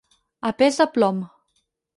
A pes de plom.